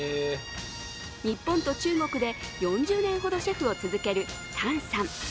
日本と中国で４０年ほどシェフを続ける譚さん。